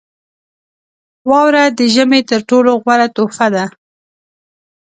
• واوره د ژمي تر ټولو غوره تحفه ده.